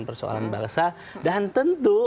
persoalan balasa dan tentu